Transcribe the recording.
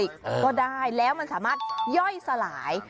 ก็ได้แล้วมันสามารถย่อยสลาย